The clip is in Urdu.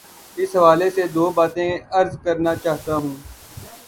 اس حوالے سے دو باتیں عرض کرنا چاہتا ہوں۔